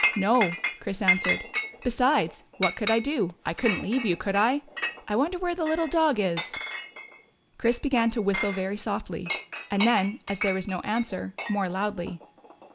" No," Chris answered. " Besides, what could I do? I could n't leave you, could I? I wonder where the little dog is ?" Chris began to whistle very softly, and then, as there was no answer, more loudly.